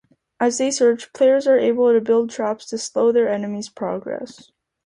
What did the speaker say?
As they search, players are able to build traps to slow their enemy's progress.